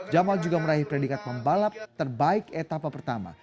jamal juga meraih predikat pembalap terbaik etapa pertama